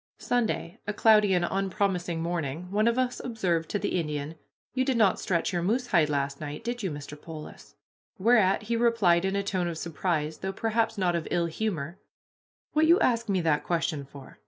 Sunday, a cloudy and unpromising morning. One of us observed to the Indian, "You did not stretch your moose hide last night, did you, Mr. Polis?" Whereat he replied in a tone of surprise, though perhaps not of ill humor: "What you ask me that question for?